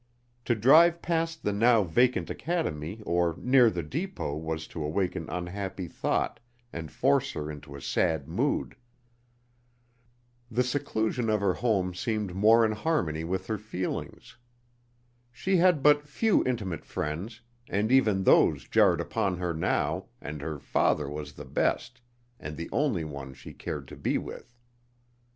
To drive past the now vacant academy or near the depot was to awaken unhappy thought and force her into a sad mood. The seclusion of her home seemed more in harmony with her feelings. She had but few intimate friends, and even those jarred upon her now, and her father was the best, and the only one she cared to be with.